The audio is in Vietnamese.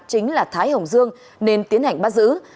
chính là thái hồng dương nên tiến hành bắt giữ